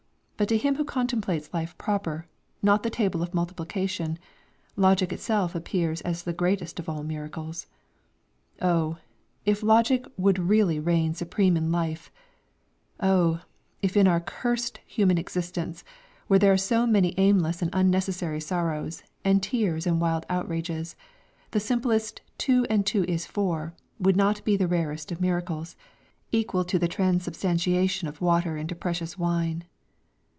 But to him who contemplates life proper, not the table of multiplication, logic itself appears as the greatest of all miracles. Oh, if logic would really reign supreme in life; oh, if in our cursed human existence, where there are so many aimless and unnecessary sorrows and tears and wild outrages, the simplest "two and two is four" would not be the rarest of miracles, equal to the transubstantiation of water into precious wine.